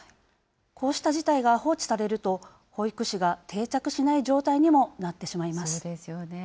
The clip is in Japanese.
こうした事態が放置されると、保育士が定着しない状態にもなってそうですよね。